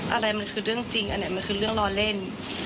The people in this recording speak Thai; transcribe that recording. อะไรมันคือเรื่องจริงอันไหนมันคือเรื่องล้อเล่น